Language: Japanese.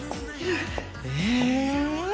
え。